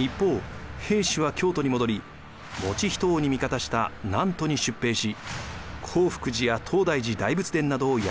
一方平氏は京都に戻り以仁王に味方した南都に出兵し興福寺や東大寺大仏殿などを焼き払うのです。